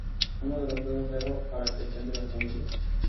Uno de los juegos de agua para recreación de las familias.